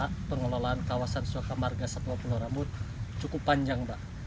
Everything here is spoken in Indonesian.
untuk sejarah pengelolaan kawasan suaka margasatwa pulau rambut cukup panjang pak